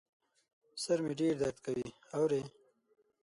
سر مي ډېر درد کوي ، اورې ؟